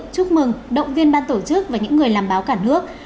chúc mừng động viên ban tổ chức và những người làm báo cả nước